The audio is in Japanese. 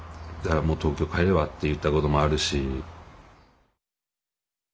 だからもう東京帰ればって言ったこともあるし。